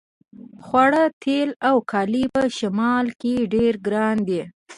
خواړه تیل او کالي په شمال کې ډیر ګران دي